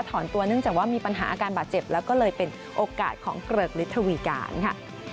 ตัวเนื่องจากว่ามีปัญหาอาการบาดเจ็บแล้วก็เลยเป็นโอกาสของเกริกฤทธวีการค่ะ